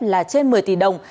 là trên một mươi tỷ đồng